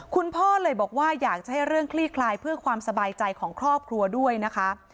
คุณพ่อเลยบอกว่าอยากจะให้เรื่องคลี่คลายเพื่อความสบายใจของครอบครัวด้วยนะคะ